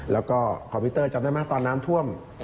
แล้วก็คอมพิวเตอร์จำได้ไหมตอนน้ำท่วม